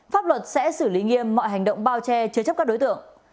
pháp luật sẽ xử lý nghiêm mọi hành động bao che chứa chấp các đối tượng